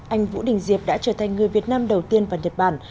anh vũ đình diệp đã trở thành người việt nam đầu tiên vào nhật bản